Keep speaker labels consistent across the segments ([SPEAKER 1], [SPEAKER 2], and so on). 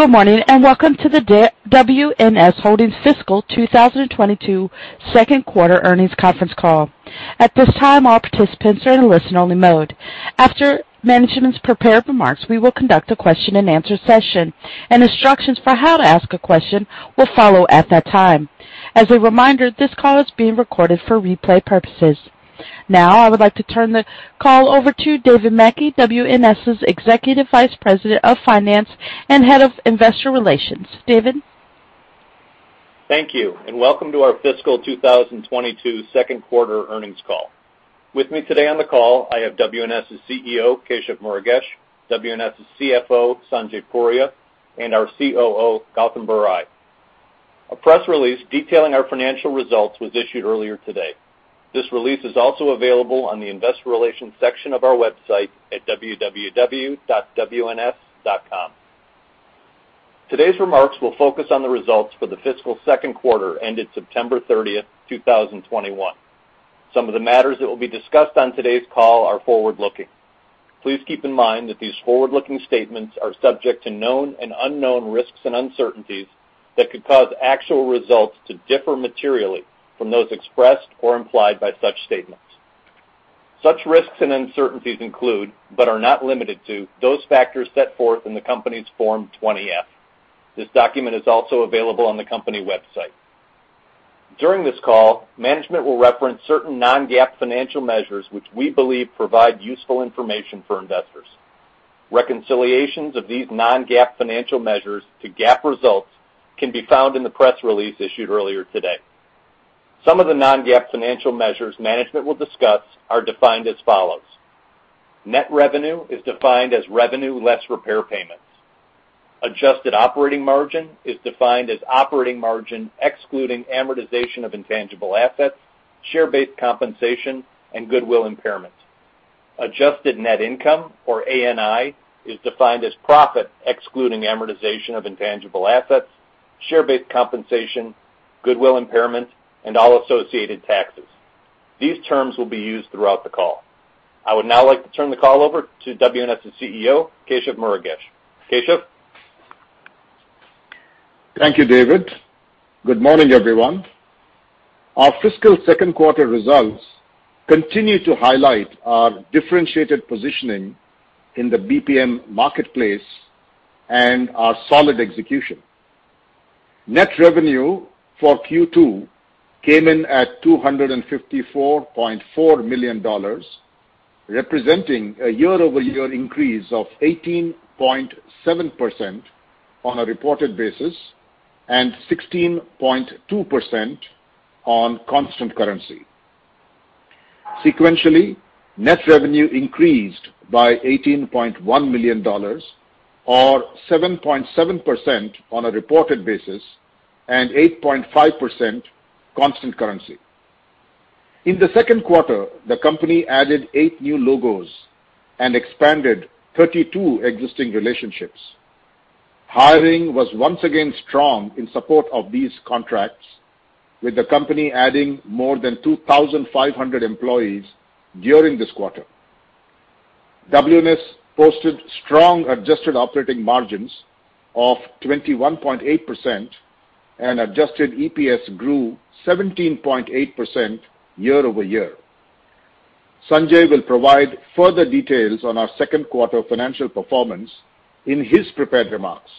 [SPEAKER 1] Good morning, and welcome to the WNS Holdings Fiscal 2022 second quarter earnings conference call. At this time, all participants are in listen only mode. After management's prepared remarks, we will conduct a question and answer session and instructions for how to ask a question will follow at that time. As a reminder, this call is being recorded for replay purposes. Now I would like to turn the call over to David Mackey, WNS's Executive Vice President of Finance and Head of Investor Relations. David?
[SPEAKER 2] Thank you, and welcome to our fiscal 2022 second quarter earnings call. With me today on the call I have WNS's CEO, Keshav Murugesh, WNS's CFO, Sanjay Puria, and our COO, Gautam Barai. A press release detailing our financial results was issued earlier today. This release is also available on the investor relations section of our website at www.wns.com. Today's remarks will focus on the results for the fiscal second quarter ended September 30th, 2021. Some of the matters that will be discussed on today's call are forward-looking. Please keep in mind that these forward-looking statements are subject to known and unknown risks and uncertainties that could cause actual results to differ materially from those expressed or implied by such statements. Such risks and uncertainties include, but are not limited to, those factors set forth in the company's Form 20-F. This document is also available on the company website. During this call, management will reference certain non-GAAP financial measures which we believe provide useful information for investors. Reconciliations of these non-GAAP financial measures to GAAP results can be found in the press release issued earlier today. Some of the non-GAAP financial measures management will discuss are defined as follows. Net revenue is defined as revenue less repair payments. Adjusted operating margin is defined as operating margin excluding amortization of intangible assets, share-based compensation, and goodwill impairment. Adjusted Net Income, or ANI, is defined as profit excluding amortization of intangible assets, share-based compensation, goodwill impairment, and all associated taxes. These terms will be used throughout the call. I would now like to turn the call over to WNS's CEO, Keshav Murugesh. Keshav?
[SPEAKER 3] Thank you, David. Good morning, everyone. Our fiscal second quarter results continue to highlight our differentiated positioning in the BPM marketplace and our solid execution. Net revenue for Q2 came in at $254.4 million, representing a year-over-year increase of 18.7% on a reported basis, and 16.2% on constant currency. Sequentially, net revenue increased by $18.1 million or 7.7% on a reported basis, and 8.5% constant currency. In the second quarter, the company added eight new logos and expanded 32 existing relationships. Hiring was once again strong in support of these contracts, with the company adding more than 2,500 employees during this quarter. WNS posted strong adjusted operating margins of 21.8% and adjusted EPS grew 17.8% year-over-year. Sanjay will provide further details on our second quarter financial performance in his prepared remarks.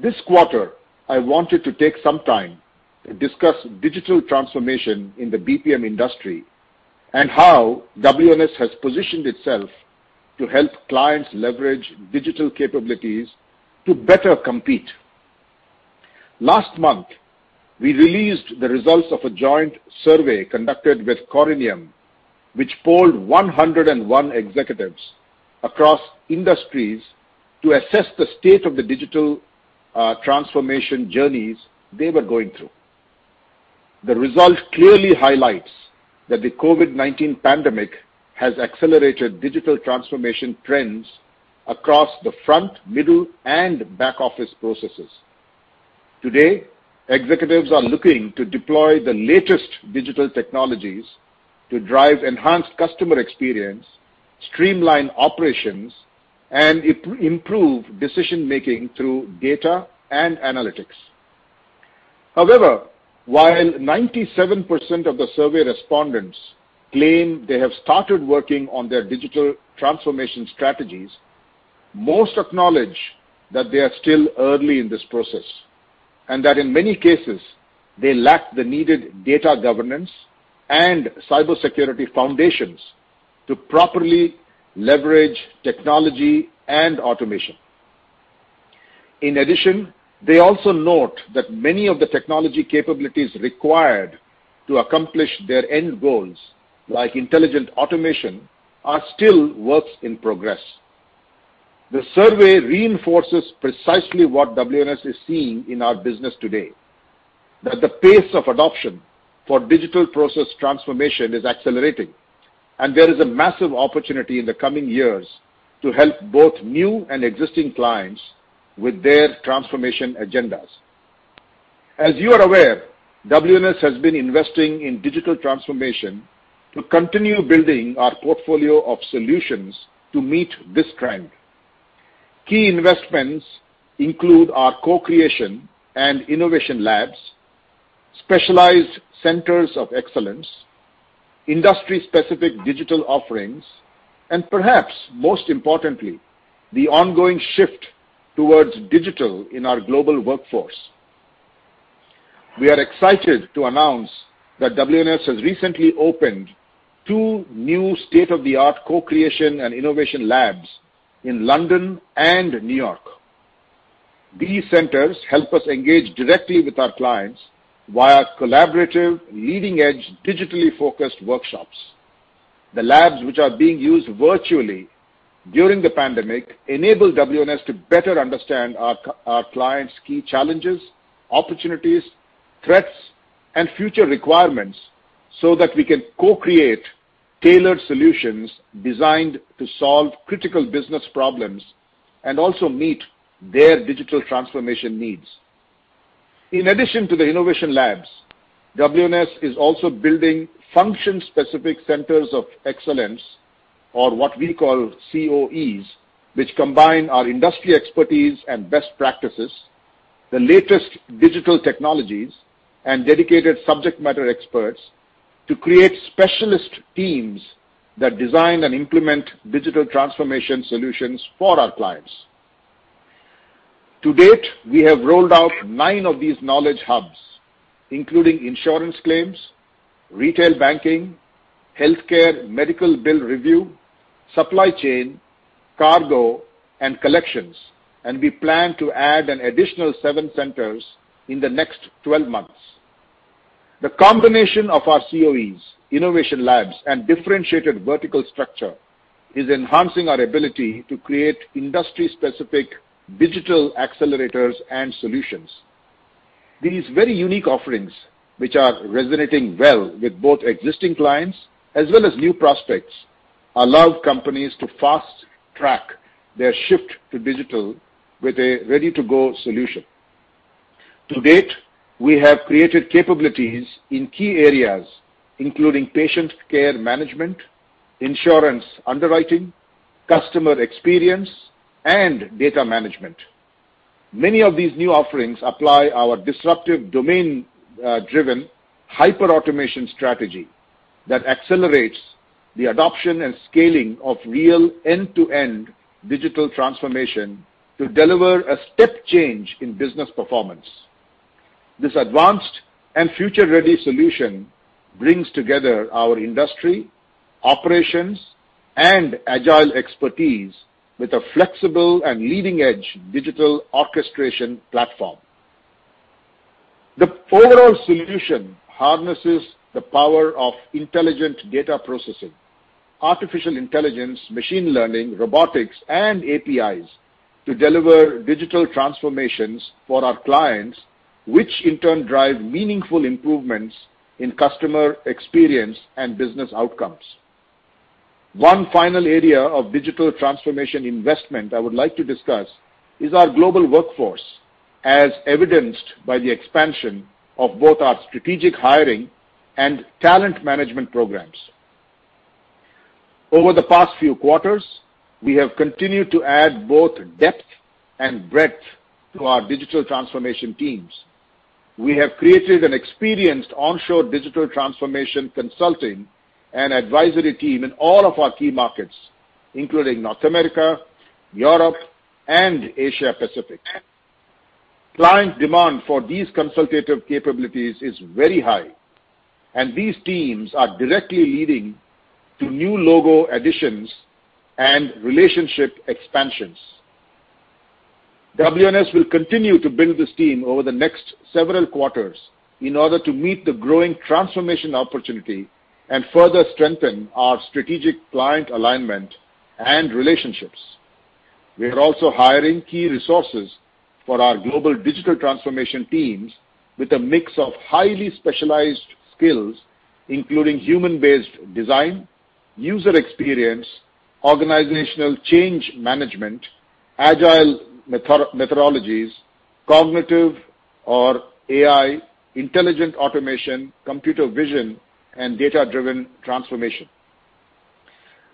[SPEAKER 3] This quarter, I wanted to take some time to discuss digital transformation in the BPM industry and how WNS has positioned itself to help clients leverage digital capabilities to better compete. Last month, we released the results of a joint survey conducted with Corinium, which polled 101 executives across industries to assess the state of the digital transformation journeys they were going through. The result clearly highlights that the COVID-19 pandemic has accelerated digital transformation trends across the front, middle, and back office processes. Today, executives are looking to deploy the latest digital technologies to drive enhanced customer experience, streamline operations, and improve decision-making through data and analytics. However, while 97% of the survey respondents claim they have started working on their digital transformation strategies, most acknowledge that they are still early in this process and that in many cases they lack the needed data governance and cybersecurity foundations to properly leverage technology and automation. In addition, they also note that many of the technology capabilities required to accomplish their end goals, like intelligent automation, are still works in progress. The survey reinforces precisely what WNS is seeing in our business today, that the pace of adoption for digital process transformation is accelerating, and there is a massive opportunity in the coming years to help both new and existing clients with their transformation agendas. As you are aware, WNS has been investing in digital transformation to continue building our portfolio of solutions to meet this trend. Key investments include our co-creation and innovation labs, specialized centers of excellence, industry-specific digital offerings, and perhaps most importantly, the ongoing shift towards digital in our global workforce. We are excited to announce that WNS has recently opened two new state-of-the-art co-creation and innovation labs in London and New York. These centers help us engage directly with our clients via collaborative leading-edge digitally focused workshops. The labs, which are being used virtually during the pandemic, enable WNS to better understand our clients' key challenges, opportunities, threats, and future requirements so that we can co-create tailored solutions designed to solve critical business problems and also meet their digital transformation needs. In addition to the innovation labs, WNS is also building function-specific centers of excellence or what we call COEs, which combine our industry expertise and best practices, the latest digital technologies, and dedicated subject matter experts to create specialist teams that design and implement digital transformation solutions for our clients. To date, we have rolled out nine of these knowledge hubs, including insurance claims, retail banking, healthcare medical bill review, supply chain, cargo, and collections, and we plan to add an additional seven centers in the next twelve months. The combination of our COEs, innovation labs, and differentiated vertical structure is enhancing our ability to create industry-specific digital accelerators and solutions. These very unique offerings, which are resonating well with both existing clients as well as new prospects, allow companies to fast-track their shift to digital with a ready-to-go solution. To date, we have created capabilities in key areas, including patient care management, insurance underwriting, customer experience, and data management. Many of these new offerings apply our disruptive domain driven hyper-automation strategy that accelerates the adoption and scaling of real end-to-end digital transformation to deliver a step change in business performance. This advanced and future-ready solution brings together our industry, operations, and agile expertise with a flexible and leading-edge digital orchestration platform. The overall solution harnesses the power of intelligent data processing, artificial intelligence, machine learning, robotics, and APIs to deliver digital transformations for our clients, which in turn drive meaningful improvements in customer experience and business outcomes. One final area of digital transformation investment I would like to discuss is our global workforce, as evidenced by the expansion of both our strategic hiring and talent management programs. Over the past few quarters, we have continued to add both depth and breadth to our digital transformation teams. We have created an experienced onshore digital transformation consulting and advisory team in all of our key markets, including North America, Europe, and Asia Pacific. Client demand for these consultative capabilities is very high and these teams are directly leading to new logo additions and relationship expansions. WNS will continue to build this team over the next several quarters in order to meet the growing transformation opportunity and further strengthen our strategic client alignment and relationships. We are also hiring key resources for our global digital transformation teams with a mix of highly specialized skills, including human-based design, user experience, organizational change management, agile methodologies, cognitive or AI, intelligent automation, computer vision, and data-driven transformation.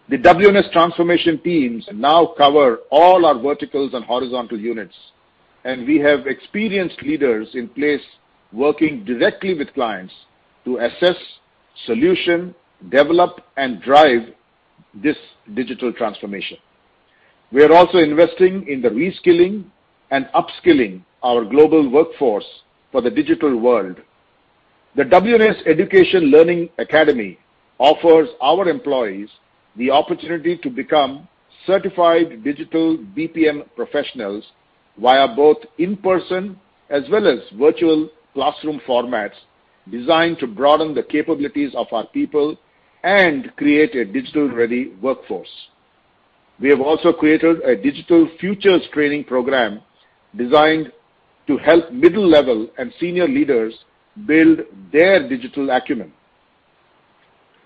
[SPEAKER 3] The WNS transformation teams now cover all our verticals and horizontal units, and we have experienced leaders in place working directly with clients to assess solutions, develop and drive this digital transformation. We are also investing in the reskilling and upskilling of our global workforce for the digital world. The WNS Education Learning Academy offers our employees the opportunity to become certified digital BPM professionals via both in-person as well as virtual classroom formats designed to broaden the capabilities of our people and create a digital-ready workforce. We have also created a digital futures training program designed to help middle-level and senior leaders build their digital acumen.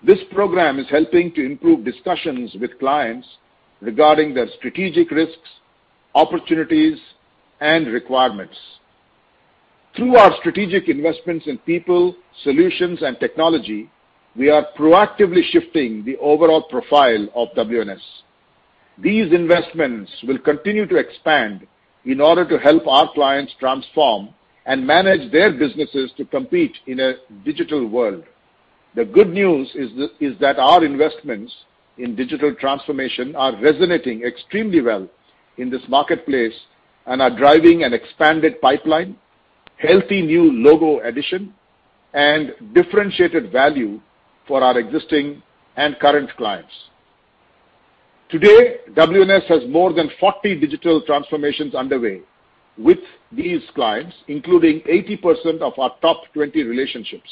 [SPEAKER 3] This program is helping to improve discussions with clients regarding their strategic risks, opportunities, and requirements. Through our strategic investments in people, solutions, and technology, we are proactively shifting the overall profile of WNS. These investments will continue to expand in order to help our clients transform and manage their businesses to compete in a digital world. The good news is that our investments in digital transformation are resonating extremely well in this marketplace and are driving an expanded pipeline, healthy new logo addition, and differentiated value for our existing and current clients. Today, WNS has more than 40 digital transformations underway with these clients, including 80% of our top 20 relationships.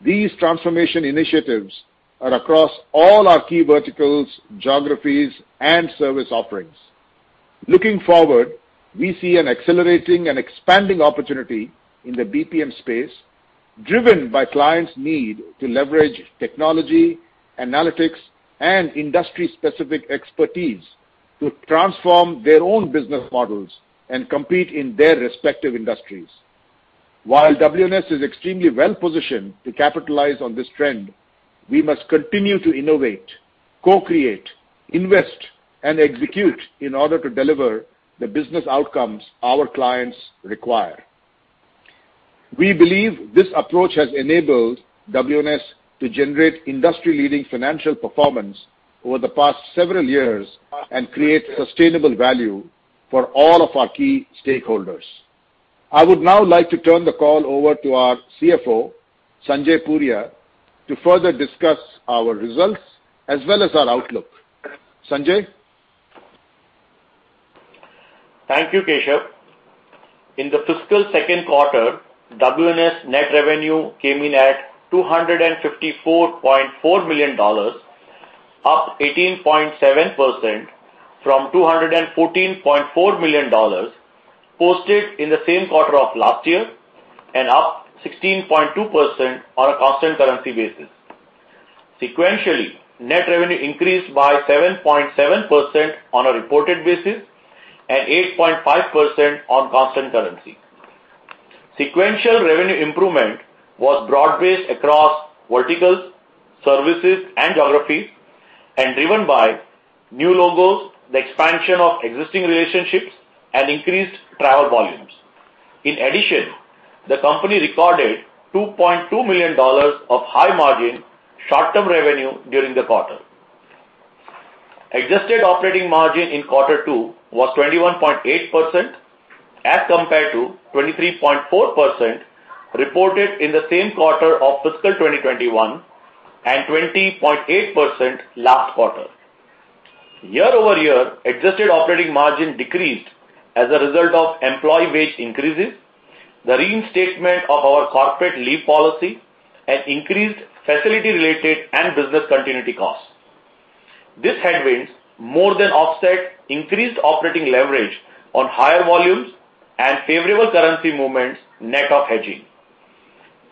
[SPEAKER 3] These transformation initiatives are across all our key verticals, geographies, and service offerings. Looking forward, we see an accelerating and expanding opportunity in the BPM space, driven by clients' need to leverage technology, analytics, and industry-specific expertise to transform their own business models and compete in their respective industries. While WNS is extremely well-positioned to capitalize on this trend, we must continue to innovate, co-create, invest, and execute in order to deliver the business outcomes our clients require. We believe this approach has enabled WNS to generate industry-leading financial performance over the past several years and create sustainable value for all of our key stakeholders. I would now like to turn the call over to our CFO, Sanjay Puria, to further discuss our results as well as our outlook. Sanjay?
[SPEAKER 4] Thank you, Keshav. In the fiscal second quarter, WNS net revenue came in at $254.4 million, up 18.7% from $214.4 million posted in the same quarter of last year and up 16.2% on a constant currency basis. Sequentially, net revenue increased by 7.7% on a reported basis and 8.5% on constant currency. Sequential revenue improvement was broad-based across verticals, services, and geographies, and driven by new logos, the expansion of existing relationships, and increased trial volumes. In addition, the company recorded $2.2 million of high-margin short-term revenue during the quarter. Adjusted operating margin in quarter two was 21.8% as compared to 23.4% reported in the same quarter of fiscal 2021 and 20.8% last quarter. Year-over-year, adjusted operating margin decreased as a result of employee wage increases, the reinstatement of our corporate leave policy, and increased facility-related and business continuity costs. These headwinds more than offset increased operating leverage on higher volumes and favorable currency movements net of hedging.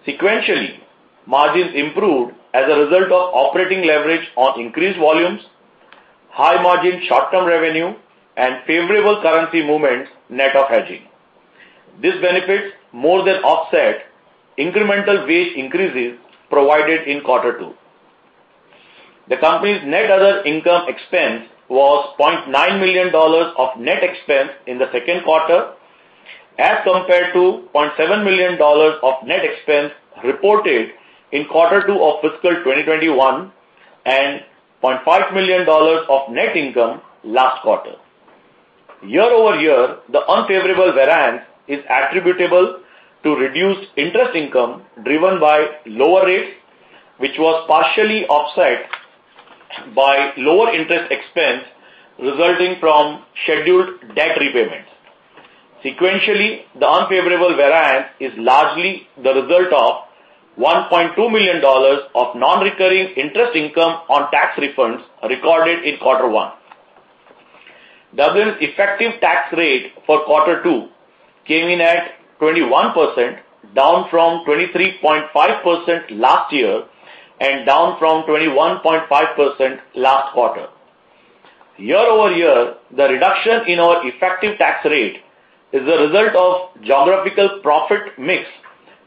[SPEAKER 4] Sequentially, margins improved as a result of operating leverage on increased volumes, high-margin short-term revenue, and favorable currency movements net of hedging. These benefits more than offset incremental wage increases provided in quarter two. The company's net other income expense was $0.9 million of net expense in the second quarter, as compared to $0.7 million of net expense reported in quarter two of fiscal 2021 and $0.5 million of net income last quarter. Year-over-year, the unfavorable variance is attributable to reduced interest income driven by lower rates, which was partially offset by lower interest expense resulting from scheduled debt repayments. Sequentially, the unfavorable variance is largely the result of $1.2 million of non-recurring interest income on tax refunds recorded in quarter one. WNS' effective tax rate for quarter two came in at 21%, down from 23.5% last year and down from 21.5% last quarter. Year-over-year, the reduction in our effective tax rate is the result of geographical profit mix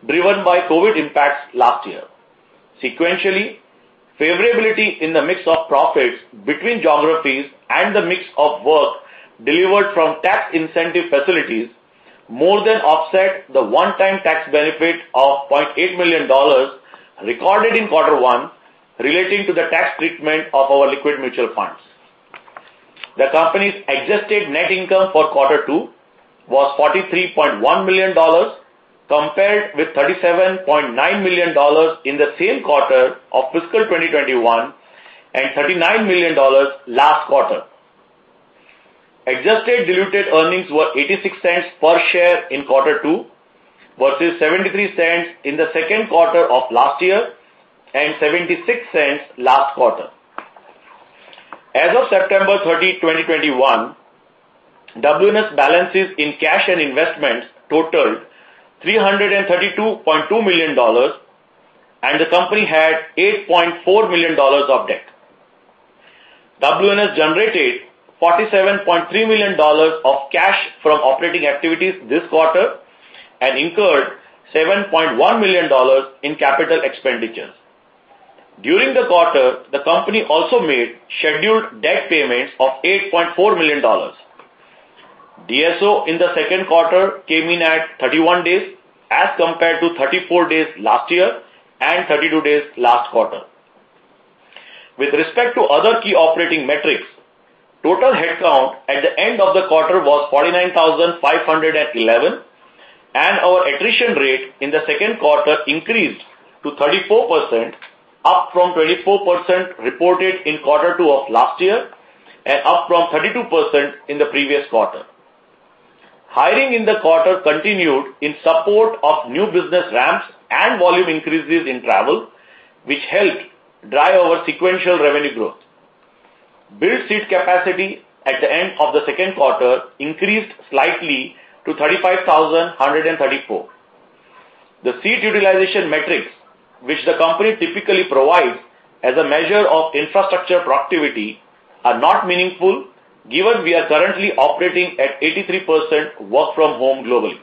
[SPEAKER 4] driven by COVID impacts last year. Sequentially, favorability in the mix of profits between geographies and the mix of work delivered from tax incentive facilities more than offset the one-time tax benefit of $0.8 million recorded in quarter one relating to the tax treatment of our liquid mutual funds. The company's adjusted net income for quarter two was $43.1 million, compared with $37.9 million in the same quarter of fiscal 2021 and $39 million last quarter. Adjusted diluted earnings were $0.86 per share in quarter two versus $0.73 in the second quarter of last year and $0.76 last quarter. As of September 30, 2021, WNS balances in cash and investments totaled $332.2 million, and the company had $8.4 million of debt. WNS generated $47.3 million of cash from operating activities this quarter and incurred $7.1 million in capital expenditures. During the quarter, the company also made scheduled debt payments of $8.4 million. DSO in the second quarter came in at 31 days, as compared to 34 days last year and 32 days last quarter. With respect to other key operating metrics, total headcount at the end of the quarter was 49,511, and our attrition rate in the second quarter increased to 34%, up from 24% reported in quarter two of last year and up from 32% in the previous quarter. Hiring in the quarter continued in support of new business ramps and volume increases in travel, which helped drive our sequential revenue growth. Built seat capacity at the end of the second quarter increased slightly to 35,134. The seat utilization metrics, which the company typically provides as a measure of infrastructure productivity, are not meaningful given we are currently operating at 83% work from home globally.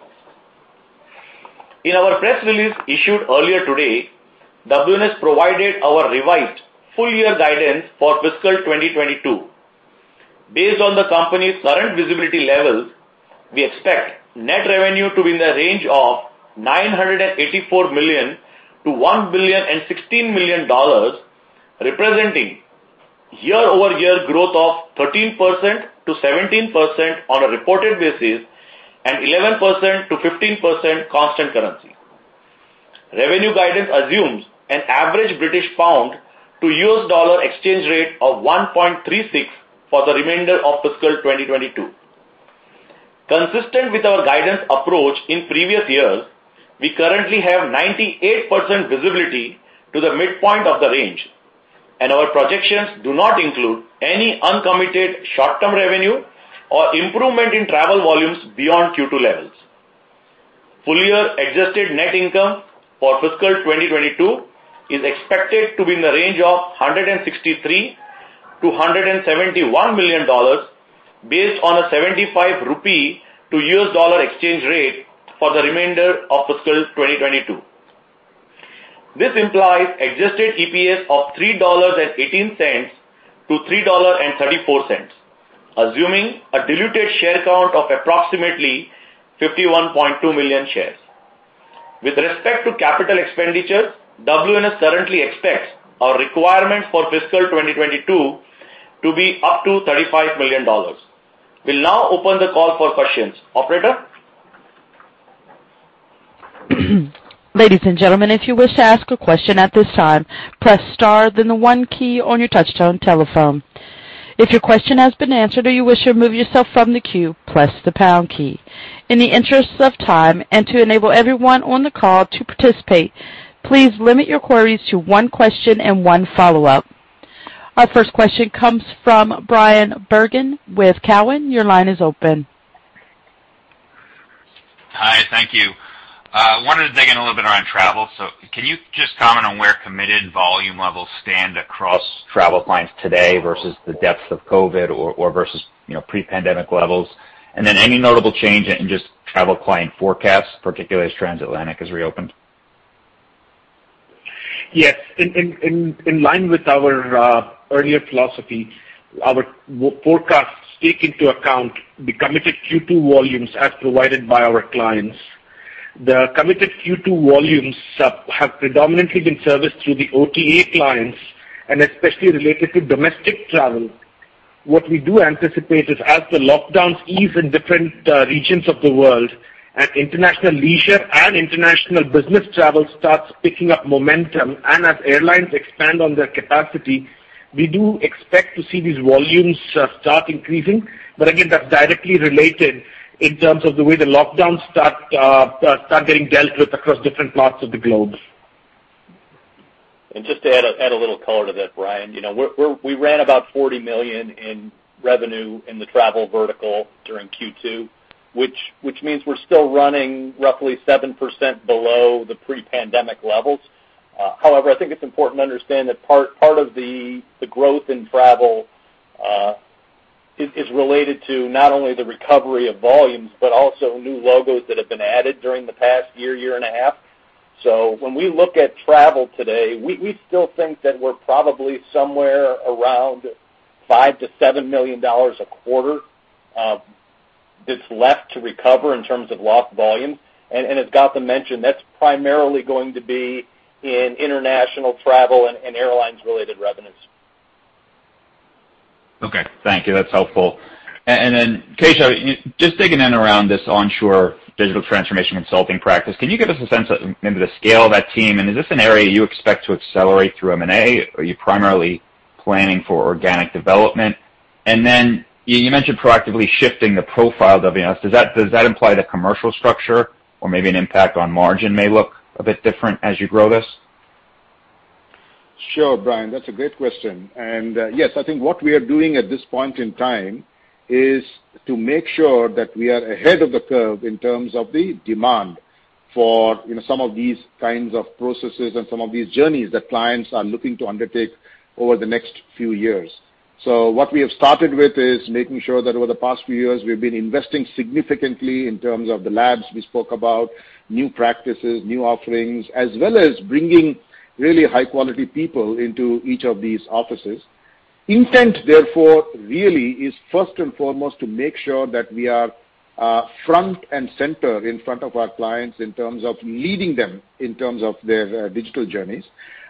[SPEAKER 4] In our press release issued earlier today, WNS provided our revised full year guidance for fiscal 2022. Based on the company's current visibility levels, we expect net revenue to be in the range of $984 million-$1,016 million, representing year-over-year growth of 13%-17% on a reported basis and 11%-15% constant currency. Revenue guidance assumes an average British pound to U.S. dollar exchange rate of 1.36 for the remainder of fiscal 2022. Consistent with our guidance approach in previous years, we currently have 98% visibility to the midpoint of the range, and our projections do not include any uncommitted short-term revenue or improvement in travel volumes beyond Q2 levels. Full year adjusted net income for fiscal 2022 is expected to be in the range of $163 million-$171 million based on a 75 rupee to U.S. dollar exchange rate for the remainder of fiscal 2022. This implies adjusted EPS of $3.18-$3.34, assuming a diluted share count of approximately 51.2 million shares. With respect to capital expenditures, WNS currently expects our requirements for fiscal 2022 to be up to $35 million. We'll now open the call for questions. Operator?
[SPEAKER 1] Ladies and gentlemen, if you wish to ask a question at this time, press star then the one key on your touchtone telephone. If your question has been answered or you wish to remove yourself from the queue, press the pound key. In the interest of time and to enable everyone on the call to participate, please limit your queries to one question and one follow-up. Our first question comes from Bryan Bergin with Cowen. Your line is open.
[SPEAKER 5] Hi. Thank you. I wanted to dig in a little bit around travel. Can you just comment on where committed volume levels stand across travel clients today versus the depths of COVID or versus, you know, pre-pandemic levels? Any notable change in just travel client forecasts, particularly as transatlantic has reopened?
[SPEAKER 6] Yes. In line with our earlier philosophy, our forecasts take into account the committed Q2 volumes as provided by our clients. The committed Q2 volumes have predominantly been serviced through the OTA clients and especially related to domestic travel. What we do anticipate is as the lockdowns ease in different regions of the world and international leisure and international business travel starts picking up momentum, and as airlines expand on their capacity, we do expect to see these volumes start increasing. But again, that's directly related in terms of the way the lockdowns start getting dealt with across different parts of the globe.
[SPEAKER 2] Just to add a little color to that, Bryan, you know, we're we ran about $40 million in revenue in the travel vertical during Q2, which means we're still running roughly 7% below the pre-pandemic levels. However, I think it's important to understand that part of the growth in travel is related to not only the recovery of volumes, but also new logos that have been added during the past year and a half. When we look at travel today, we still think that we're probably somewhere around $5 million-$7 million a quarter that's left to recover in terms of lost volumes. As Gautam mentioned, that's primarily going to be in international travel and airlines-related revenues.
[SPEAKER 5] Okay. Thank you. That's helpful. Then Keshav, just digging in around this onshore digital transformation consulting practice, can you give us a sense of maybe the scale of that team, and is this an area you expect to accelerate through M&A, or are you primarily planning for organic development? Then you mentioned proactively shifting the profile of WNS. Does that imply the commercial structure or maybe an impact on margin may look a bit different as you grow this?
[SPEAKER 3] Sure, Bryan, that's a great question. Yes, I think what we are doing at this point in time is to make sure that we are ahead of the curve in terms of the demand for, you know, some of these kinds of processes and some of these journeys that clients are looking to undertake over the next few years. What we have started with is making sure that over the past few years we've been investing significantly in terms of the labs we spoke about, new practices, new offerings, as well as bringing really high-quality people into each of these offices. Intent, therefore, really is first and foremost, to make sure that we are front and center in front of our clients in terms of leading them in terms of their digital journeys.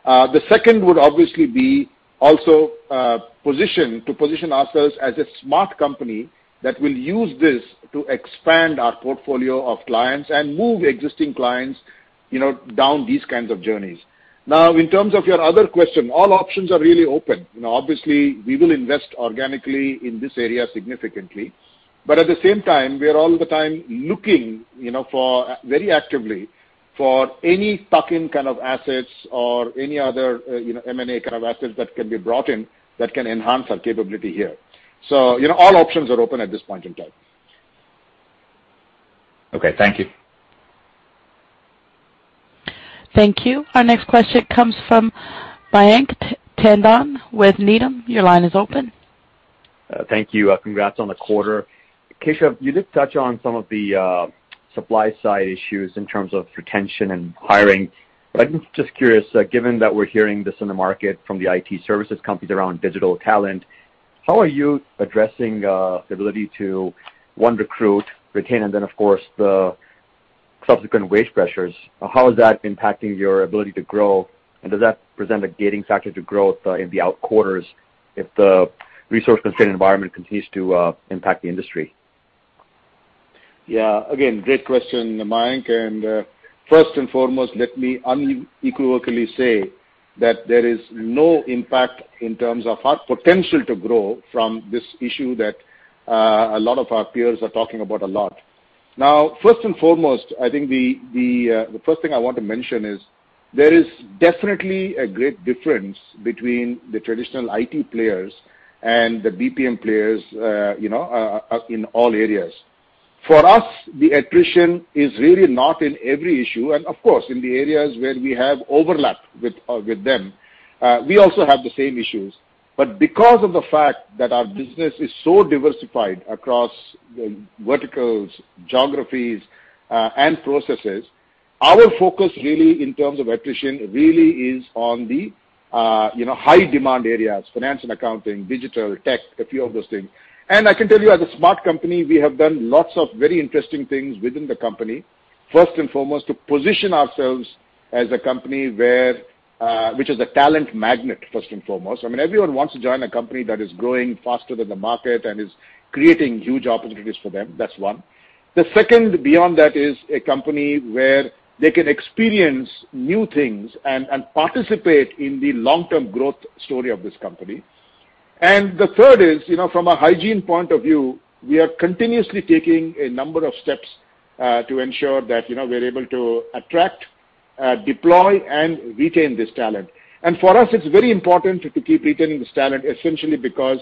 [SPEAKER 3] The second would obviously be also to position ourselves as a smart company that will use this to expand our portfolio of clients and move existing clients, you know, down these kinds of journeys. Now, in terms of your other question, all options are really open. You know, obviously, we will invest organically in this area significantly. But at the same time, we are all the time looking, you know, very actively for any tuck-in kind of assets or any other, you know, M&A kind of assets that can be brought in that can enhance our capability here. You know, all options are open at this point in time.
[SPEAKER 5] Okay, thank you.
[SPEAKER 1] Thank you. Our next question comes from Mayank Tandon with Needham. Your line is open.
[SPEAKER 7] Thank you. Congrats on the quarter. Keshav, you did touch on some of the supply-side issues in terms of retention and hiring, but I'm just curious, given that we're hearing this in the market from the IT services companies around digital talent, how are you addressing the ability to, one, recruit, retain, and then of course, the subsequent wage pressures? How is that impacting your ability to grow? Does that present a gating factor to growth in the outer quarters if the resource-constrained environment continues to impact the industry?
[SPEAKER 3] Yeah, again, great question, Mayank. First and foremost, let me unequivocally say that there is no impact in terms of our potential to grow from this issue that a lot of our peers are talking about a lot. Now, first and foremost, I think the first thing I want to mention is there is definitely a great difference between the traditional IT players and the BPM players, you know, in all areas. For us, the attrition is really not an issue. Of course, in the areas where we have overlap with them, we also have the same issues. Because of the fact that our business is so diversified across verticals, geographies, and processes, our focus really in terms of attrition really is on the, you know, high-demand areas, finance and accounting, digital, tech, a few of those things. I can tell you as a smart company, we have done lots of very interesting things within the company. First and foremost, to position ourselves as a company where, which is a talent magnet, first and foremost. I mean, everyone wants to join a company that is growing faster than the market and is creating huge opportunities for them. That's one. The second beyond that is a company where they can experience new things and participate in the long-term growth story of this company. The third is, you know, from a hygiene point of view, we are continuously taking a number of steps to ensure that, you know, we're able to attract, deploy, and retain this talent. For us, it's very important to keep retaining this talent, essentially because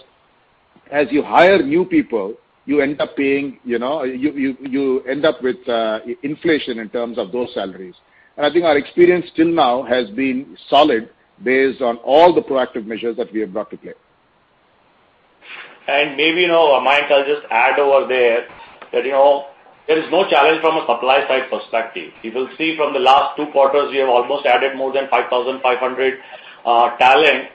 [SPEAKER 3] as you hire new people, you end up paying, you know. You end up with inflation in terms of those salaries. I think our experience till now has been solid based on all the proactive measures that we have brought to play.
[SPEAKER 4] Maybe now, Mayank, I'll just add over there that, you know, there is no challenge from a supply side perspective. You will see from the last two quarters, we have almost added more than 5,500 talent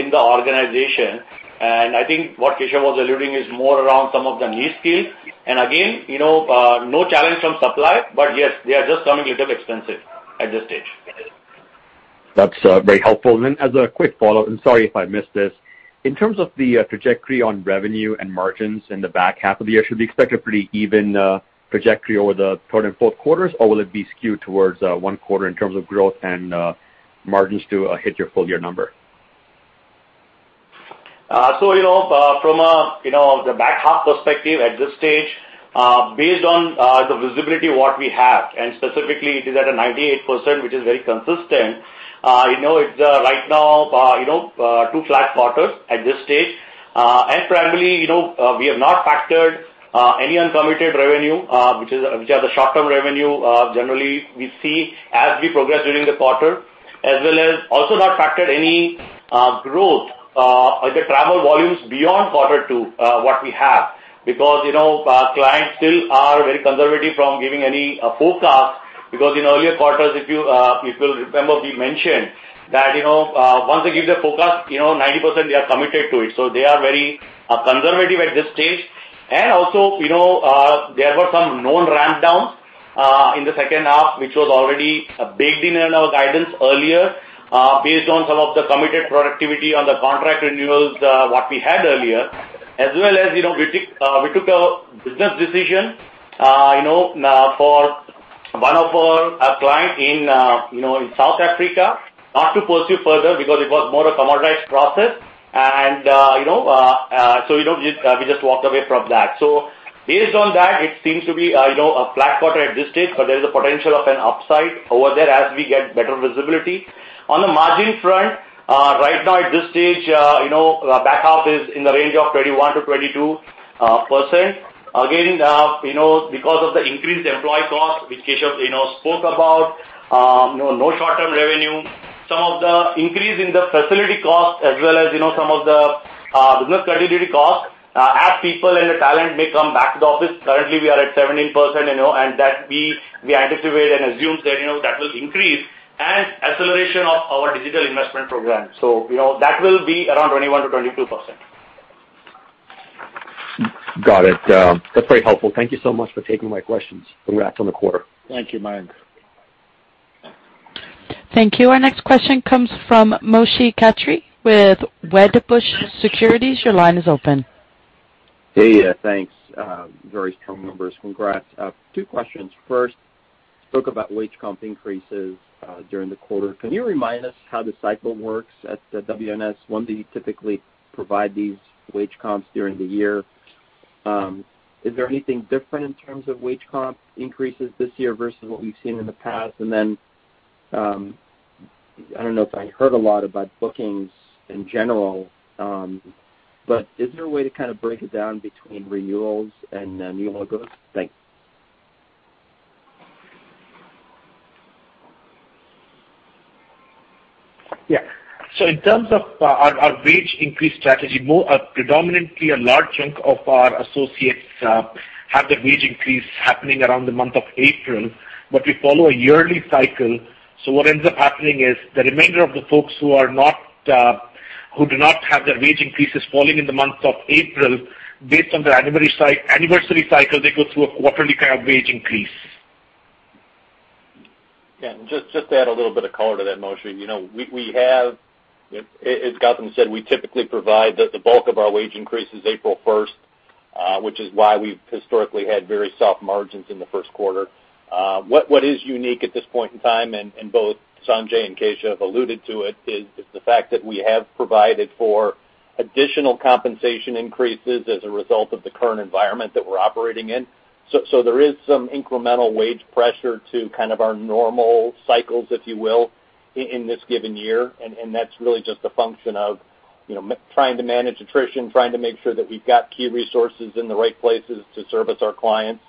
[SPEAKER 4] in the organization. I think what Keshav was alluding is more around some of the niche skills. Again, you know, no challenge from supply, but yes, they are just coming a little expensive at this stage.
[SPEAKER 7] That's very helpful. As a quick follow-up, and sorry if I missed this. In terms of the trajectory on revenue and margins in the back half of the year, should we expect a pretty even trajectory over the third and fourth quarters, or will it be skewed towards one quarter in terms of growth and margins to hit your full year number?
[SPEAKER 4] From the back half perspective at this stage, based on the visibility we have, and specifically it is at 98%, which is very consistent. You know, it's right now two flat quarters at this stage. Primarily, you know, we have not factored any uncommitted revenue, which are the short-term revenue, generally we see as we progress during the quarter, as well as also not factored any growth in the travel volumes beyond quarter two what we have. Because you know, our clients still are very conservative in giving any forecast because in earlier quarters, if you'll remember, we mentioned that you know, once they give the forecast, you know, 90% they are committed to it. They are very conservative at this stage. There were also some known ramp downs in the second half, which was already baked in our guidance earlier based on some of the committed productivity on the contract renewals what we had earlier. We took a business decision for one of our client in you know in South Africa not to pursue further because it was more a commoditized process. We just walked away from that. Based on that, it seems to be a flat quarter at this stage, but there is a potential of an upside over there as we get better visibility. On the margin front, right now at this stage, you know, back half is in the range of 21%-22%. Again, you know, because of the increased employee cost, which Keshav, you know, spoke about, you know, no short-term revenue, some of the increase in the facility cost as well as, you know, some of the business continuity cost, as people and the talent may come back to the office. Currently, we are at 17%, you know, and that we anticipate and assume that, you know, that will increase, and acceleration of our digital investment program. You know, that will be around 21%-22%.
[SPEAKER 7] Got it. That's very helpful. Thank you so much for taking my questions. Congrats on the quarter.
[SPEAKER 2] Thank you, Mayank.
[SPEAKER 1] Thank you. Our next question comes from Moshe Katri with Wedbush Securities. Your line is open.
[SPEAKER 8] Hey. Yeah, thanks. Very strong numbers. Congrats. Two questions. First, spoke about wage comp increases during the quarter. Can you remind us how the cycle works at WNS? When do you typically provide these wage comps during the year? Is there anything different in terms of wage comp increases this year versus what we've seen in the past? Then, I don't know if I heard a lot about bookings in general, but is there a way to kind of break it down between renewals and then new logos? Thanks.
[SPEAKER 6] Yeah. In terms of our wage increase strategy, predominantly a large chunk of our associates have their wage increase happening around the month of April, but we follow a yearly cycle. What ends up happening is the remainder of the folks who do not have their wage increases falling in the month of April, based on their anniversary cycle. They go through a quarterly kind of wage increase.
[SPEAKER 2] Yeah. To add a little bit of color to that, Moshe. You know, as Gautam said, we typically provide the bulk of our wage increase is April first, which is why we've historically had very soft margins in the first quarter. What is unique at this point in time, and both Sanjay and Keshav alluded to it, is the fact that we have provided for additional compensation increases as a result of the current environment that we're operating in. There is some incremental wage pressure to kind of our normal cycles, if you will, in this given year, and that's really just a function of, you know, trying to manage attrition, trying to make sure that we've got key resources in the right places to service our clients.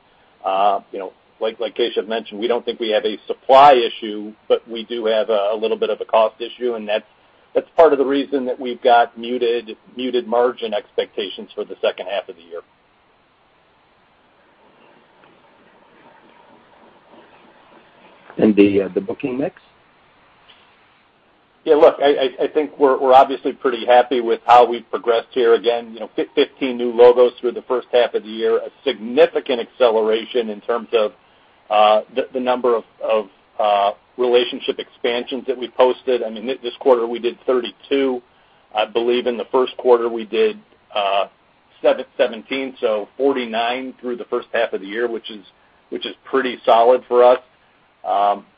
[SPEAKER 2] You know, like Keshav mentioned, we don't think we have a supply issue, but we do have a little bit of a cost issue, and that's part of the reason that we've got muted margin expectations for the second half of the year.
[SPEAKER 8] The booking mix?
[SPEAKER 2] Yeah. Look, I think we're obviously pretty happy with how we've progressed here. Again, you know, 15 new logos through the first half of the year, a significant acceleration in terms of the number of relationship expansions that we posted. I mean, this quarter, we did 32. I believe in the first quarter, we did 17, so 49 through the first half of the year, which is pretty solid for us.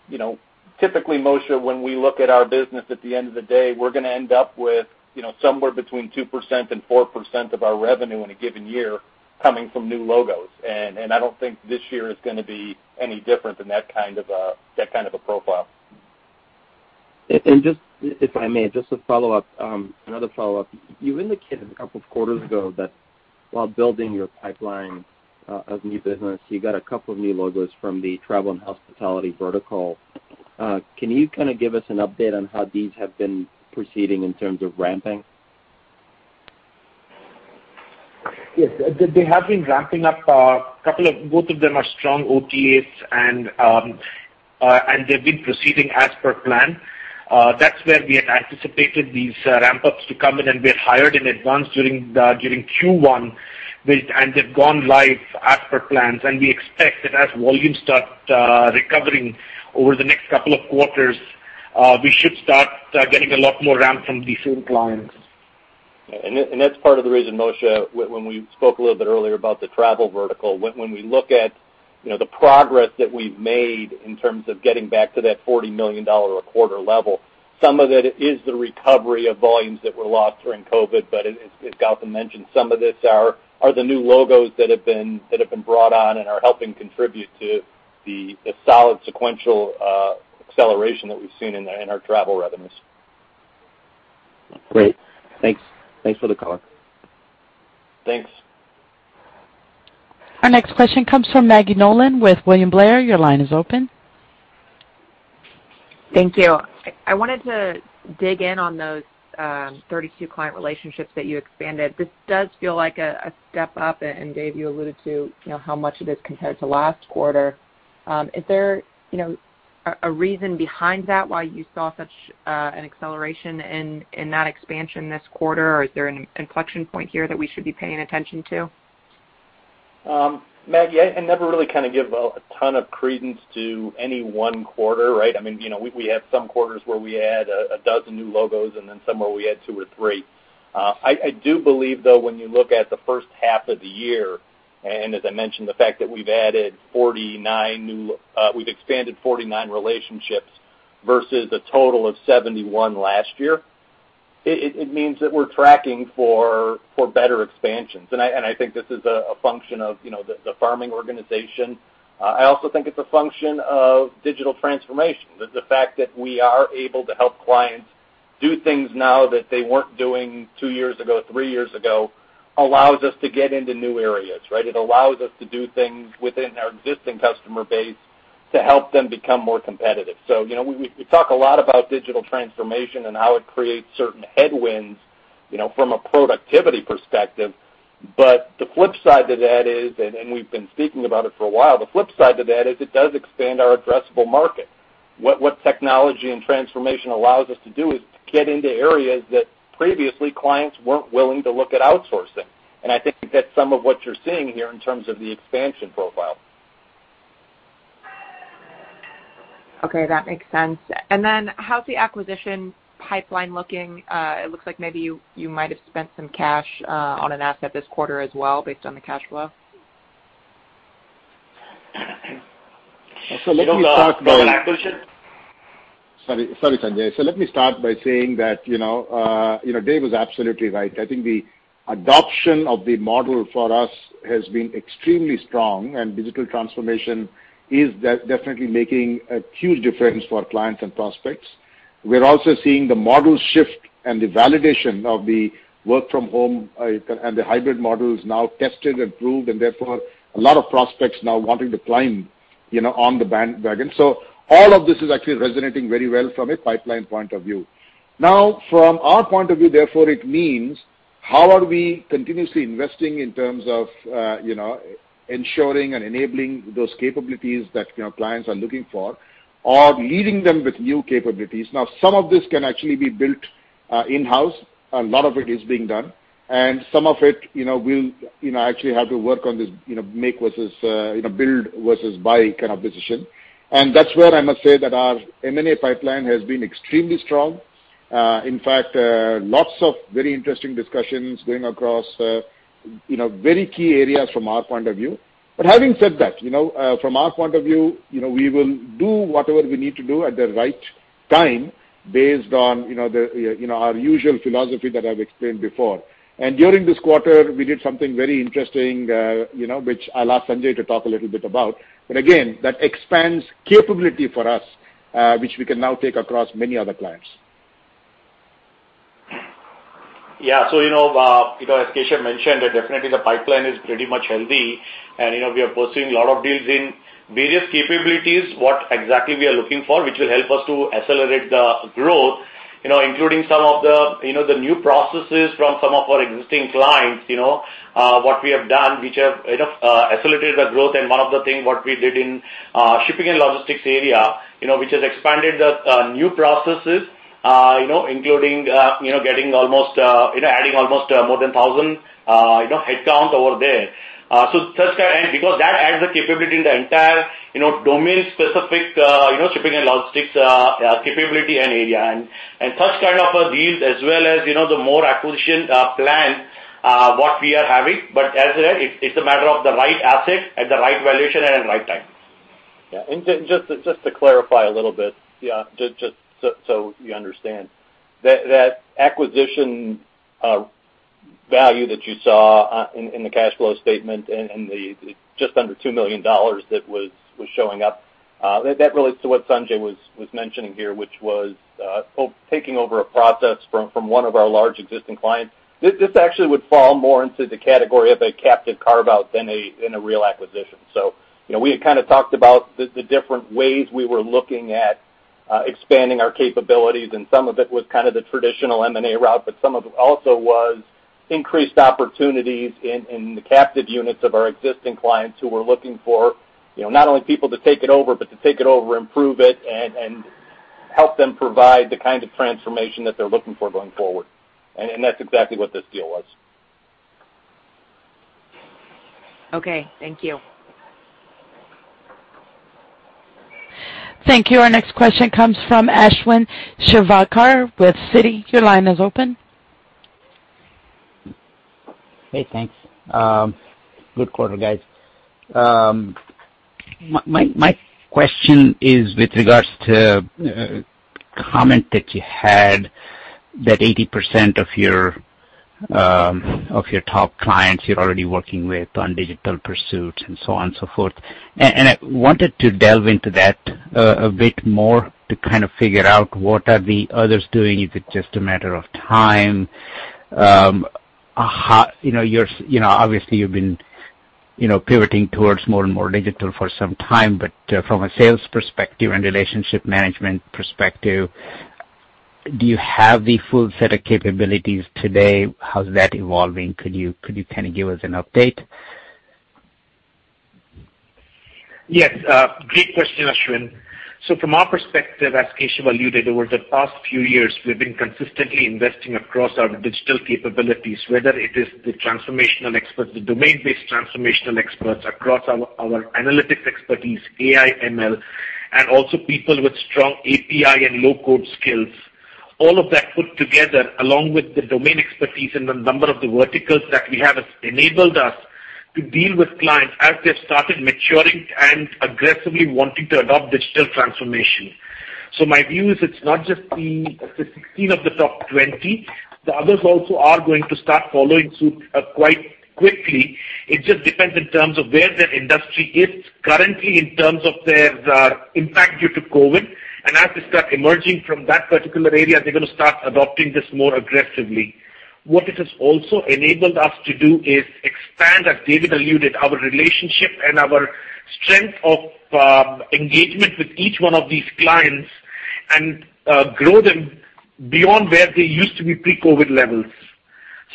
[SPEAKER 2] You know, typically, Moshe, when we look at our business at the end of the day, we're gonna end up with, you know, somewhere between 2% and 4% of our revenue in a given year coming from new logos. I don't think this year is gonna be any different than that kind of a profile.
[SPEAKER 8] Just if I may, just to follow up, another follow-up. You indicated a couple of quarters ago that while building your pipeline of new business, you got a couple of new logos from the travel and hospitality vertical. Can you kinda give us an update on how these have been proceeding in terms of ramping?
[SPEAKER 6] Yes. They have been ramping up. Both of them are strong OTAs and they've been proceeding as per plan. That's where we had anticipated these ramp-ups to come in, and we had hired in advance during Q1 and they've gone live as per plans. We expect that as volumes start recovering over the next couple of quarters, we should start getting a lot more ramp from these new clients.
[SPEAKER 2] That's part of the reason, Moshe, when we spoke a little bit earlier about the travel vertical. When we look at, you know, the progress that we've made in terms of getting back to that $40 million a quarter level, some of it is the recovery of volumes that were lost during COVID, but as Gautam mentioned, some of this are the new logos that have been brought on and are helping contribute to the solid sequential acceleration that we've seen in our travel revenues.
[SPEAKER 8] Great. Thanks. Thanks for the color.
[SPEAKER 2] Thanks.
[SPEAKER 1] Our next question comes from Maggie Nolan with William Blair. Your line is open.
[SPEAKER 9] Thank you. I wanted to dig in on those 32 client relationships that you expanded. This does feel like a step up, and David, you alluded to, you know, how much it is compared to last quarter. Is there, you know, a reason behind that why you saw such an acceleration in that expansion this quarter, or is there an inflection point here that we should be paying attention to?
[SPEAKER 2] Maggie, I never really kinda give a ton of credence to any one quarter, right? I mean, you know, we have some quarters where we add a dozen new logos, and then some where we add two or three. I do believe though, when you look at the first half of the year, and as I mentioned, the fact that we've expanded 49 relationships versus a total of 71 last year, it means that we're tracking for better expansions. I think this is a function of, you know, the farming organization. I also think it's a function of digital transformation. The fact that we are able to help clients do things now that they weren't doing two years ago, three years ago, allows us to get into new areas, right? It allows us to do things within our existing customer base to help them become more competitive. You know, we talk a lot about digital transformation and how it creates certain headwinds, you know, from a productivity perspective. The flip side to that is, and we've been speaking about it for a while, the flip side to that is it does expand our addressable market. What technology and transformation allows us to do is get into areas that previously clients weren't willing to look at outsourcing. I think that's some of what you're seeing here in terms of the expansion profile.
[SPEAKER 9] Okay, that makes sense. How's the acquisition pipeline looking? It looks like maybe you might have spent some cash on an asset this quarter as well based on the cash flow.
[SPEAKER 3] Let me start by.
[SPEAKER 4] You know, the acquisition.
[SPEAKER 3] Sorry, Sanjay. Let me start by saying that, you know, you know, Dave is absolutely right. I think the adoption of the model for us has been extremely strong, and digital transformation is definitely making a huge difference for our clients and prospects. We're also seeing the model shift and the validation of the work from home, and the hybrid models now tested and proved, and therefore a lot of prospects now wanting to climb, you know, on the band wagon. All of this is actually resonating very well from a pipeline point of view. Now, from our point of view, therefore, it means how are we continuously investing in terms of, you know, ensuring and enabling those capabilities that, you know, clients are looking for or leading them with new capabilities. Now, some of this can actually be built in-house. A lot of it is being done, and some of it, you know, we'll, you know, actually have to work on this, you know, make versus, you know, build versus buy kind of decision. That's where I must say that our M&A pipeline has been extremely strong. In fact, lots of very interesting discussions going across, you know, very key areas from our point of view. Having said that, you know, from our point of view, you know, we will do whatever we need to do at the right time based on, you know, the, you know, our usual philosophy that I've explained before. During this quarter, we did something very interesting, you know, which I'll ask Sanjay to talk a little bit about. Again, that expands capability for us, which we can now take across many other clients.
[SPEAKER 4] Yeah, you know, as Keshav mentioned, definitely the pipeline is pretty much healthy. You know, we are pursuing a lot of deals in various capabilities, what exactly we are looking for, which will help us to accelerate the growth, you know, including some of the new processes from some of our existing clients, you know, what we have done, which have accelerated the growth. One of the things what we did in shipping and logistics area, you know, which has expanded the new processes, you know, including adding almost more than 1,000 headcount over there. First, because that adds the capability in the entire domain-specific shipping and logistics capability and area. first kind of deals as well as, you know, the more acquisition plan what we are having. As I said, it's a matter of the right asset at the right valuation and right time.
[SPEAKER 2] Just to clarify a little bit, just so you understand. That acquisition value that you saw in the cash flow statement and the just under $2 million that was showing up, that relates to what Sanjay was mentioning here, which was taking over a process from one of our large existing clients. This actually would fall more into the category of a captive carve-out than a real acquisition. You know, we had kinda talked about the different ways we were looking at expanding our capabilities, and some of it was kind of the traditional M&A route, but some of it also was increased opportunities in the captive units of our existing clients who were looking for, you know, not only people to take it over, but to improve it and help them provide the kind of transformation that they're looking for going forward. That's exactly what this deal was.
[SPEAKER 9] Okay. Thank you.
[SPEAKER 1] Thank you. Our next question comes from Ashwin Shirvaikar with Citi. Your line is open.
[SPEAKER 10] Hey, thanks. Good quarter, guys. My question is with regards to comment that you had that 80% of your top clients you're already working with on digital pursuit and so on and so forth. I wanted to delve into that a bit more to kind of figure out what are the others doing, if it's just a matter of time. You know, you're you know, obviously you've been you know, pivoting towards more and more digital for some time, but from a sales perspective and relationship management perspective, do you have the full set of capabilities today? How's that evolving? Could you kinda give us an update?
[SPEAKER 6] Yes. Great question, Ashwin. From our perspective, as Keshav alluded, over the past few years, we've been consistently investing across our digital capabilities, whether it is the transformational experts, the domain-based transformational experts across our analytics expertise, AI, ML, and also people with strong API and low code skills. All of that put together, along with the domain expertise and the number of the verticals that we have, has enabled us to deal with clients as they've started maturing and aggressively wanting to adopt digital transformation. My view is it's not just the 16 of the top 20. The others also are going to start following suit quite quickly. It just depends in terms of where their industry is currently in terms of their impact due to COVID. As they start emerging from that particular area, they're gonna start adopting this more aggressively. What it has also enabled us to do is expand, as David alluded, our relationship and our strength of engagement with each one of these clients and grow them beyond where they used to be pre-COVID levels.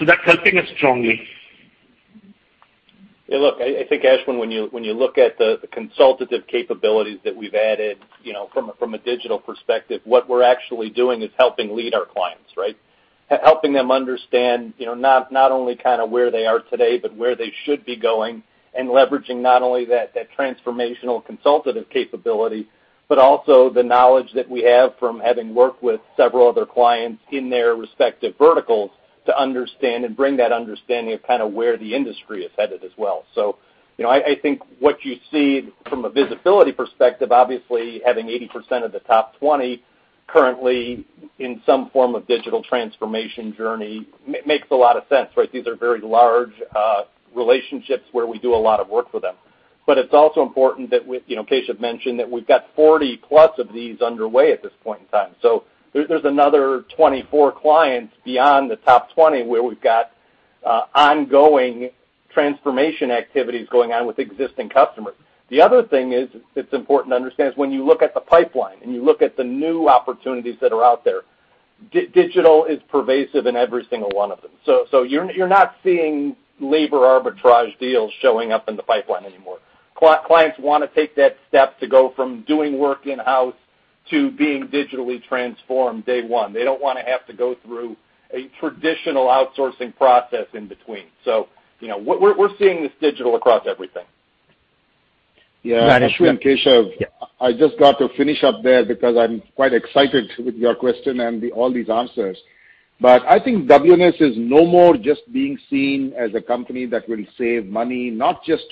[SPEAKER 6] That's helping us strongly.
[SPEAKER 2] Yeah, look, I think, Ashwin, when you look at the consultative capabilities that we've added, you know, from a digital perspective, what we're actually doing is helping lead our clients, right? Helping them understand, you know, not only kinda where they are today, but where they should be going, and leveraging not only that transformational consultative capability, but also the knowledge that we have from having worked with several other clients in their respective verticals to understand and bring that understanding of kinda where the industry is headed as well. You know, I think what you see from a visibility perspective, obviously having 80% of the top 20 currently in some form of digital transformation journey makes a lot of sense, right? These are very large relationships where we do a lot of work with them. It's also important that with, you know, Keshav mentioned that we've got 40+ of these underway at this point in time. There, there's another 24 clients beyond the top 20 where we've got ongoing transformation activities going on with existing customers. The other thing that's important to understand is when you look at the pipeline and you look at the new opportunities that are out there, digital is pervasive in every single one of them. You're not seeing labor arbitrage deals showing up in the pipeline anymore. Clients wanna take that step to go from doing work in-house to being digitally transformed day one. They don't wanna have to go through a traditional outsourcing process in between. You know, we're seeing this digital across everything.
[SPEAKER 3] Yeah, Ashwin, Keshav here.
[SPEAKER 10] Yeah.
[SPEAKER 3] I just got to finish up there because I'm quite excited with your question and the, all these answers. I think WNS is no more just being seen as a company that will save money, not just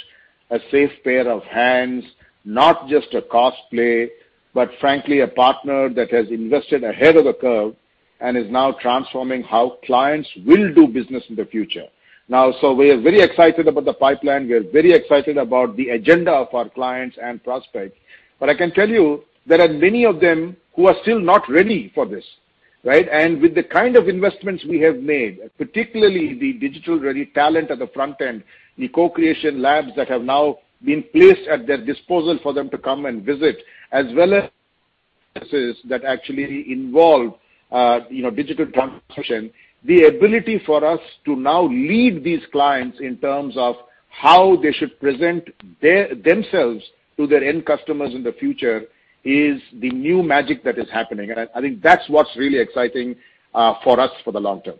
[SPEAKER 3] a safe pair of hands, not just a cost play, but frankly, a partner that has invested ahead of the curve and is now transforming how clients will do business in the future. Now, we are very excited about the pipeline. We are very excited about the agenda of our clients and prospects. I can tell you there are many of them who are still not ready for this, right? With the kind of investments we have made, particularly the digital-ready talent at the front end, the co-creation labs that have now been placed at their disposal for them to come and visit, as well as that actually involve, you know, digital transformation, the ability for us to now lead these clients in terms of how they should present their, themselves to their end customers in the future is the new magic that is happening. I think that's what's really exciting, for us for the long term.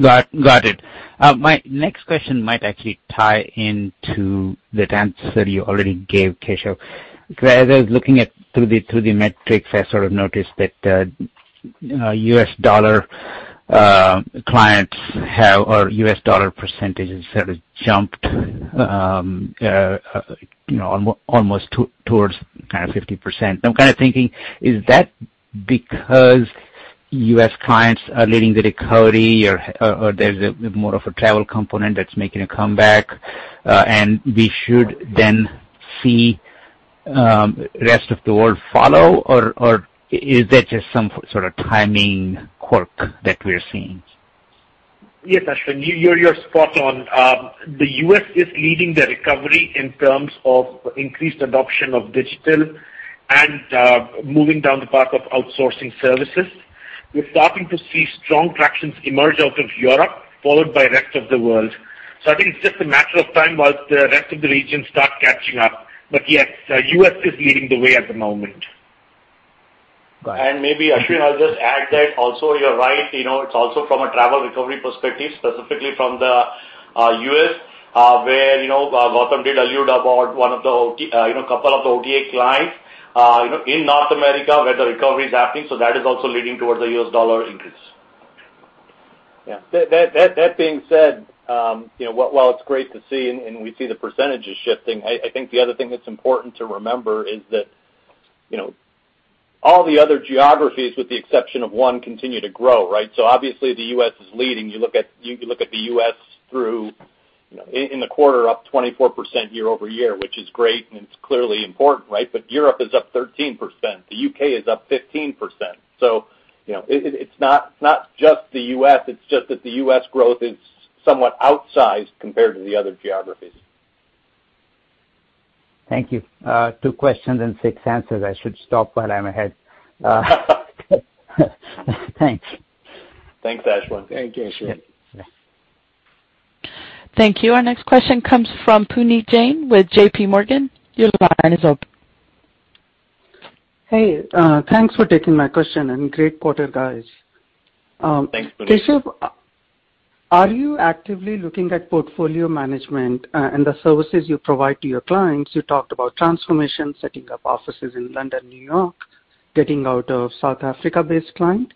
[SPEAKER 10] Got it. My next question might actually tie into the answers that you already gave, Keshav. As I was looking through the metrics, I sort of noticed that U.S. dollar clients have or U.S. dollar percentages have jumped, you know, almost towards kind of 50%. I'm kinda thinking, is that because U.S. clients are leading the recovery or there's more of a travel component that's making a comeback, and we should then see rest of the world follow, or is that just some sort of timing quirk that we're seeing?
[SPEAKER 6] Yes, Ashwin. You're spot on. The U.S. is leading the recovery in terms of increased adoption of digital and moving down the path of outsourcing services. We're starting to see strong traction emerge out of Europe, followed by rest of the world. I think it's just a matter of time while the rest of the region start catching up. Yes, the U.S. is leading the way at the moment.
[SPEAKER 10] Got it.
[SPEAKER 4] Maybe, Ashwin, I'll just add that also, you're right. You know, it's also from a travel recovery perspective, specifically from the U.S., where you know, Gautam did allude about one of the OTA clients, you know, couple of the OTA clients, you know, in North America where the recovery is happening, so that is also leading towards the U.S. dollar increase.
[SPEAKER 2] Yeah. That being said, you know, while it's great to see and we see the percentages shifting, I think the other thing that's important to remember is that, you know, all the other geographies, with the exception of one, continue to grow, right? Obviously the U.S. is leading. You look at the U.S. through, you know, in the quarter up 24% year-over-year, which is great, and it's clearly important, right? Europe is up 13%. The U.K. is up 15%. You know, it's not just the U.S., it's just that the U.S. growth is somewhat outsized compared to the other geographies.
[SPEAKER 10] Thank you. Two questions and six answers. I should stop while I'm ahead. Thanks.
[SPEAKER 2] Thanks, Ashwin.
[SPEAKER 3] Thank you, Ashwin.
[SPEAKER 10] Yeah.
[SPEAKER 1] Thank you. Our next question comes from Puneet Jain with JPMorgan. Your line is open.
[SPEAKER 11] Hey, thanks for taking my question, and great quarter, guys.
[SPEAKER 2] Thanks, Puneet.
[SPEAKER 11] Are you actively looking at portfolio management, and the services you provide to your clients? You talked about transformation, setting up offices in London, New York, getting out of South Africa-based client.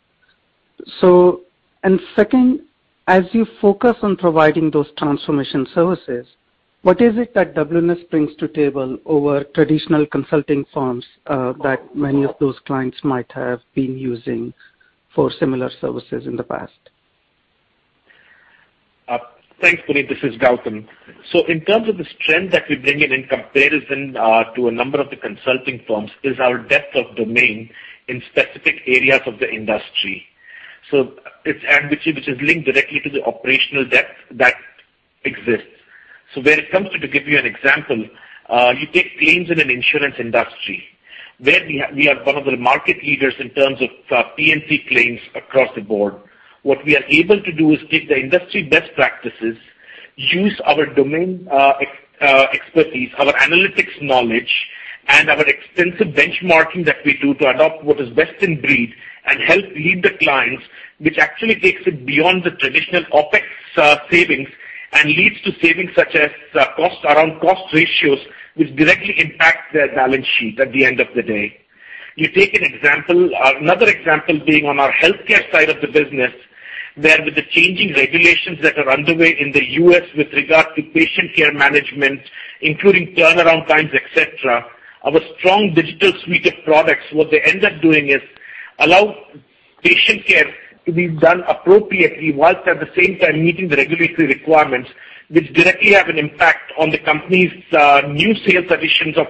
[SPEAKER 11] Second, as you focus on providing those transformation services, what is it that WNS brings to table over traditional consulting firms, that many of those clients might have been using for similar services in the past?
[SPEAKER 6] Thanks, Puneet. This is Gautam. In terms of the strength that we bring in comparison to a number of the consulting firms, is our depth of domain in specific areas of the industry. Which is linked directly to the operational depth that exists. When it comes to give you an example, you take claims in an insurance industry where we are one of the market leaders in terms of P&C claims across the board. What we are able to do is take the industry best practices, use our domain expertise, our analytics knowledge, and our extensive benchmarking that we do to adopt what is best in breed and help lead the clients, which actually takes it beyond the traditional OpEx savings and leads to savings such as cost around cost ratios, which directly impact their balance sheet at the end of the day. You take an example, another example being on our healthcare side of the business, where with the changing regulations that are underway in the U.S. with regard to patient care management, including turnaround times, et cetera, our strong digital suite of products, what they end up doing is allow patient care to be done appropriately, whilst at the same time meeting the regulatory requirements, which directly have an impact on the company's new sales additions of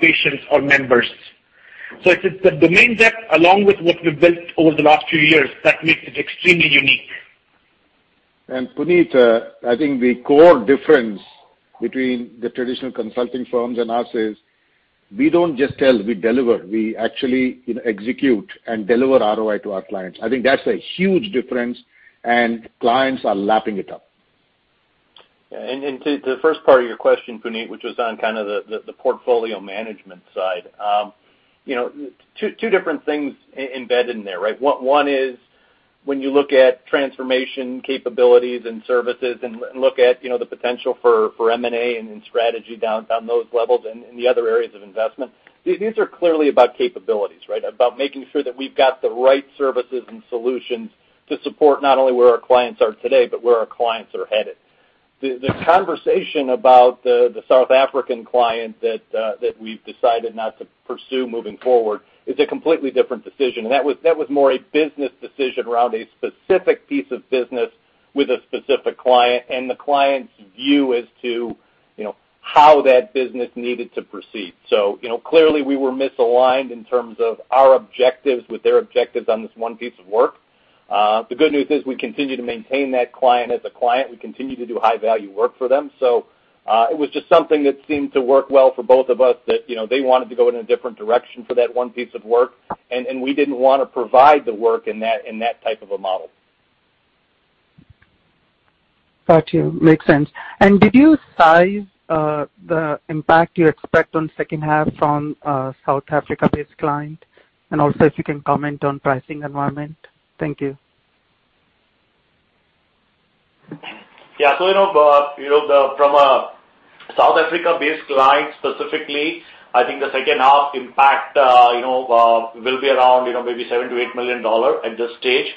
[SPEAKER 6] patients or members. It's the domain depth along with what we've built over the last few years that makes it extremely unique.
[SPEAKER 3] Puneet, I think the core difference between the traditional consulting firms and us is we don't just tell, we deliver. We actually, you know, execute and deliver ROI to our clients. I think that's a huge difference and clients are lapping it up.
[SPEAKER 2] To the first part of your question, Puneet, which was on kind of the portfolio management side, you know, two different things embedded in there, right? One is when you look at transformation capabilities and services and look at, you know, the potential for M&A and strategy down those levels and the other areas of investment, these are clearly about capabilities, right? About making sure that we've got the right services and solutions to support not only where our clients are today, but where our clients are headed. The conversation about the South African client that we've decided not to pursue moving forward is a completely different decision. That was more a business decision around a specific piece of business with a specific client and the client's view as to, you know, how that business needed to proceed. You know, clearly we were misaligned in terms of our objectives with their objectives on this one piece of work. The good news is we continue to maintain that client as a client. We continue to do high value work for them. It was just something that seemed to work well for both of us that, you know, they wanted to go in a different direction for that one piece of work, and we didn't wanna provide the work in that type of a model.
[SPEAKER 11] Got you. Makes sense. Did you size the impact you expect on second half from South Africa-based client? Also if you can comment on pricing environment? Thank you.
[SPEAKER 4] Yeah. You know, you know, from a South Africa-based client specifically, I think the second half impact, you know, will be around, you know, maybe $7 million-$8 million at this stage.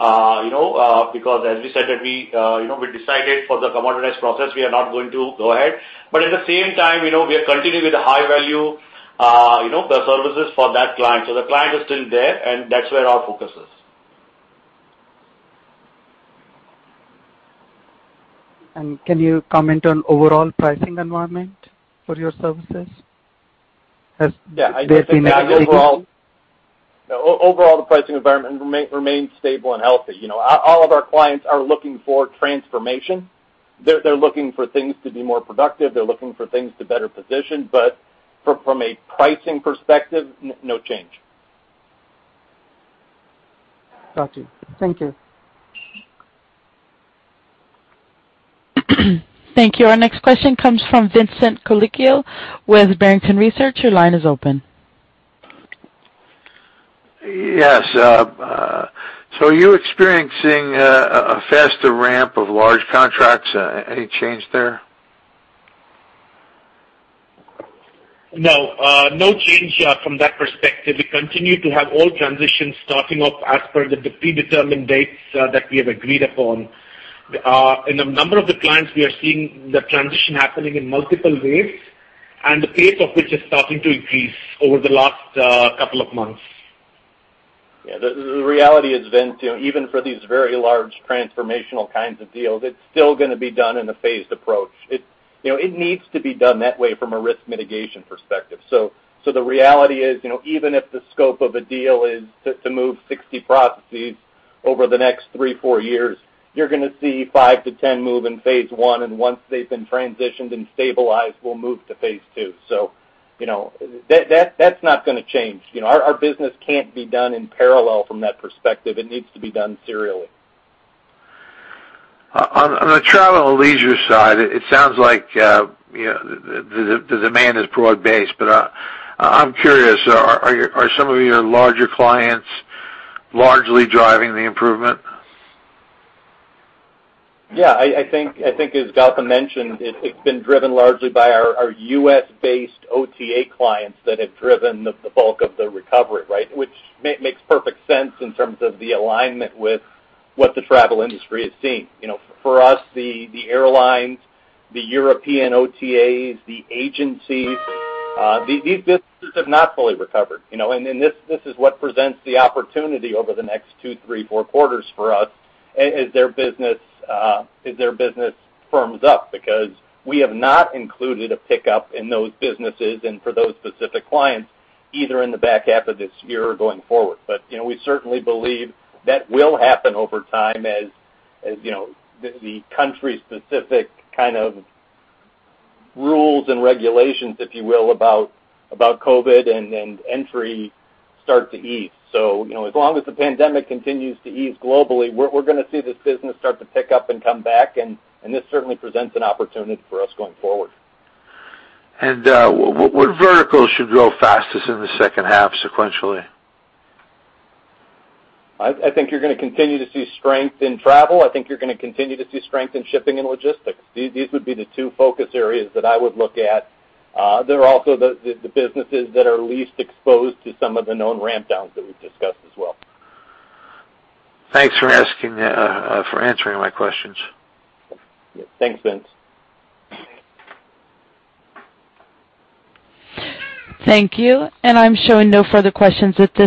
[SPEAKER 4] You know, because as we said that we, you know, we decided for the commoditized process, we are not going to go ahead. At the same time, you know, we are continuing with the high value, you know, the services for that client. The client is still there, and that's where our focus is.
[SPEAKER 11] Can you comment on overall pricing environment for your services? Has there been any-
[SPEAKER 2] Overall, the pricing environment remains stable and healthy. You know, all of our clients are looking for transformation. They're looking for things to be more productive. They're looking for things to better position, but from a pricing perspective, no change.
[SPEAKER 11] Got you. Thank you.
[SPEAKER 1] Thank you. Our next question comes from Vincent Colicchio with Barrington Research. Your line is open.
[SPEAKER 12] Yes. Are you experiencing a faster ramp of large contracts? Any change there?
[SPEAKER 6] No. No change from that perspective. We continue to have all transitions starting up as per the predetermined dates that we have agreed upon. In a number of the clients, we are seeing the transition happening in multiple waves, and the pace of which is starting to increase over the last couple of months.
[SPEAKER 2] Yeah. The reality is, Vince, you know, even for these very large transformational kinds of deals, it's still gonna be done in a phased approach. You know, it needs to be done that way from a risk mitigation perspective. The reality is, you know, even if the scope of a deal is to move 60 processes over the next 3-4 years, you're gonna see 5-10 move in phase I, and once they've been transitioned and stabilized, we'll move to phase II. You know, that's not gonna change. You know, our business can't be done in parallel from that perspective. It needs to be done serially.
[SPEAKER 12] On the travel and leisure side, it sounds like, you know, the demand is broad-based. I'm curious, are some of your larger clients largely driving the improvement?
[SPEAKER 2] Yeah. I think as Gautam mentioned, it's been driven largely by our U.S.-based OTA clients that have driven the bulk of the recovery, right? Which makes perfect sense in terms of the alignment with what the travel industry is seeing. You know, for us, the airlines, the European OTAs, the agencies, these businesses have not fully recovered, you know. This is what presents the opportunity over the next two, three, four quarters for us as their business firms up. Because we have not included a pickup in those businesses and for those specific clients, either in the back half of this year or going forward. You know, we certainly believe that will happen over time as you know, the country-specific kind of rules and regulations, if you will, about COVID and entry start to ease. You know, as long as the pandemic continues to ease globally, we're gonna see this business start to pick up and come back, and this certainly presents an opportunity for us going forward.
[SPEAKER 12] What verticals should grow fastest in the second half sequentially?
[SPEAKER 2] I think you're gonna continue to see strength in travel. I think you're gonna continue to see strength in shipping and logistics. These would be the two focus areas that I would look at. They're also the businesses that are least exposed to some of the known ramp downs that we've discussed as well.
[SPEAKER 12] Thanks for answering my questions.
[SPEAKER 2] Thanks, Vince.
[SPEAKER 1] Thank you. I'm showing no further questions at this time.